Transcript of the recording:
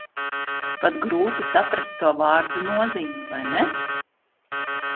Pat grūti saprast to vārdu nozīmi, vai ne?